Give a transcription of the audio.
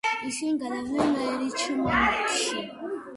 ისინი გადავიდნენ რიჩმონდში.